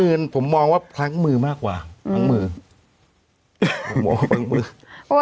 มือผมมองว่าพังมือมากกว่าพังมือผมมองว่าพังมือโอ้